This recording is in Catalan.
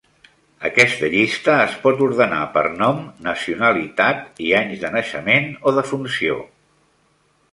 Aquesta llista es pot ordenar per nom, nacionalitat i anys de naixement o defunció.